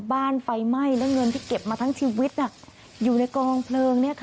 บ้านไฟไหม้แล้วเงินที่เก็บมาทั้งชีวิตอยู่ในกองเพลิง